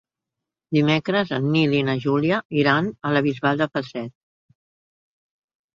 Dimecres en Nil i na Júlia iran a la Bisbal de Falset.